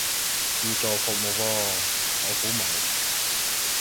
自助服務噃，我估冇